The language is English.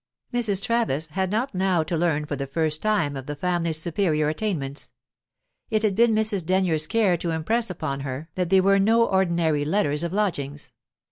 Mrs. Travis had not now to learn for the first time of the family's superior attainments; it had been Mrs. Denyer's care to impress upon her that they were no ordinary letters of lodgings.